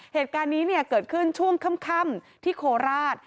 เหตุการณ์นี้เกิดขึ้นช่วงค่ำที่โคราช